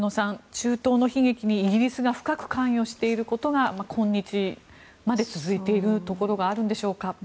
中東の悲劇にイギリスが深く関与していることが今日まで続いているところがあるんでしょうか。